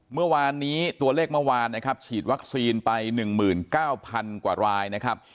เมื่อวานนี้ตัวเลขเมื่อวานนะครับฉีดวัคซีนไป๑๙๐๐กว่ารายนะครับ